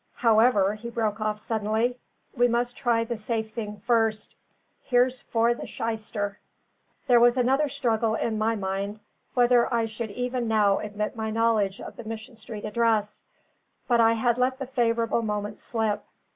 However," he broke off suddenly, "we must try the safe thing first. Here's for the shyster!" There was another struggle in my mind, whether I should even now admit my knowledge of the Mission Street address. But I had let the favourable moment slip.